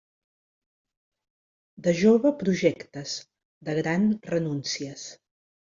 De jove, projectes; de gran, renúncies.